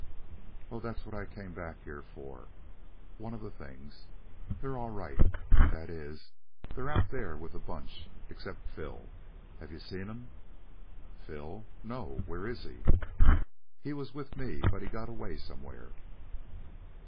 "Oh, that's what I came back here for one of the things. They're all right. That is, they're out there with the bunch, except Phil. Have you seen him?" "Phil? No. Where is he?" "He was with me, but he got away somewhere."